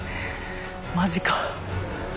マジか。